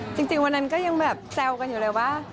จริงวันนั้นก็ยังแบบแซวกันอยู่เลยว่า